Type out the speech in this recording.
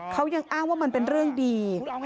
เขายังอ้างว่ามันเป็นเรื่องดี